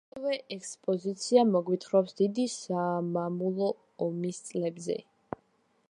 ასევე ექსპოზიცია მოგვითხრობს დიდი სამამულო ომის წლებზე.